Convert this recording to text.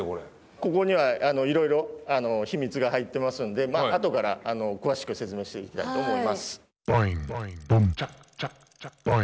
ここにはいろいろ秘密が入ってますので後から詳しく説明していきたいと思います。